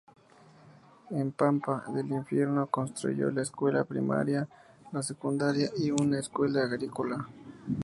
En Pampa del Infierno construyó la escuela primaria, la secundaria y una escuela agrícola.